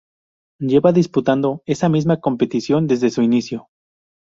Lleva disputando esta misma competición desde su inicio.